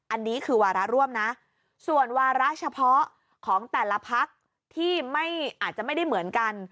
อันนี้คือวาระร่วมนะส่วนวาระเฉพาะของแต่ละพักที่ไม่อาจจะไม่ได้เหมือนกัน